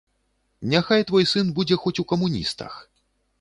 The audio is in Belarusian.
Няхай твой сын будзе хоць у камуністах.